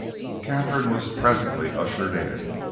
Katharine was presently ushered in.